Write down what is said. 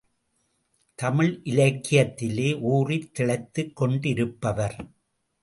தமிழ் இலக்கியத்திலே ஊறித் திளைத்துக் கொண்டிருப்பவர்.